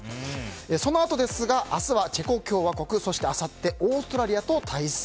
そのあとですが明日はチェコ共和国あさってオーストラリアと対戦。